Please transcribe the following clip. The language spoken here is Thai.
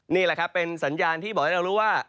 นี่แหละครับเป็นสัญญาณที่บอกให้เรารู้ว่า